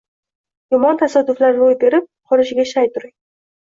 Yomon tasodiflar ro‘y berib qolishiga shay turing.